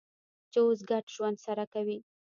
چې اوس ګډ ژوند سره کوي.